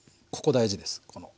ここ大事です。